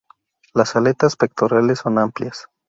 Las aletas pectorales son amplias.